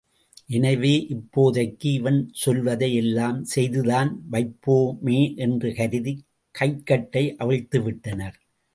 எனவே இப்போதைக்கு இவன் சொல்வதை யெல்லாம் செய்துதான் வைப்போமே என்று கருதிக் கைக்கட்டை அவிழ்த்துவிட்டனர்.